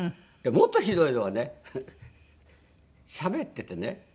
もっとひどいのはねしゃべっててね